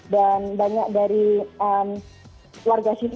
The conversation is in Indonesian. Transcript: dan banyak dari warga sini